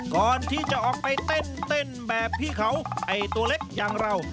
ก่อนที่จะออกไปเต้นแบบพี่เขาไอ้ตัวเล็กอย่างเรา